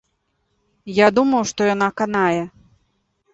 Я думаў, што яна канае.